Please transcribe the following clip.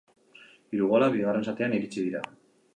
Hiru golak bigarren zatian iritsi dira.